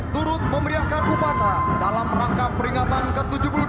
turut memeriahkan upacara dalam rangka peringatan ke tujuh puluh delapan